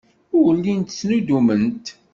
Ur llint ttnuddument.